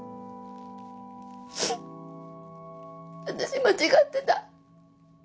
私間違ってた。